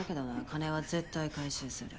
金は絶対回収する。